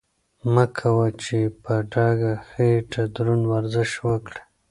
مه کوه چې په ډکه خېټه دروند ورزش وکړې.